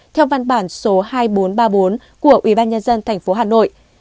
theo văn bản số hai nghìn bốn trăm ba mươi bốn của ubnd tp hà nội